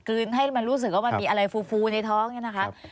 ให้มันรู้สึกว่ามันมีอะไรฟูในท้องเนี่ยนะคะ